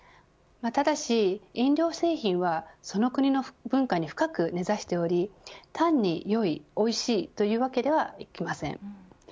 ただし、飲料製品はその国の文化に深く根差しており単に良い、おいしいというわけではありません。